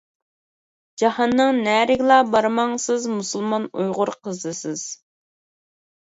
جاھاننىڭ نەرىگىلا بارماڭ سىز مۇسۇلمان ئۇيغۇر قىزىسىز.